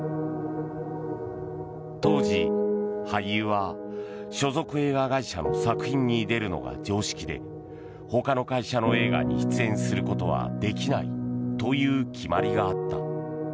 当時、俳優は所属映画会社の作品に出るのが常識で他の会社の映画に出演することはできないという決まりがあった。